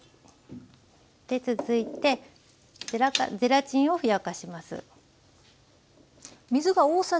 で続いてゼラチンをふやかします。